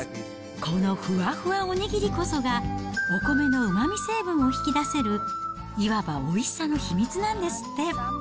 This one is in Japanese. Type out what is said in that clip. このふわふわお握りこそが、お米のうまみ成分を引き出せる、いわばおいしさの秘密なんですって。